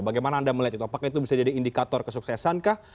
bagaimana anda melihat itu apakah itu bisa jadi indikator kesuksesankah